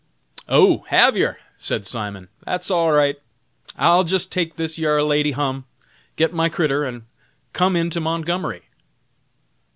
"Oh! hav yer?" said Simon, "that's all right; I'll jist take this yar lady hum, git my critter, and come in to Montgomery."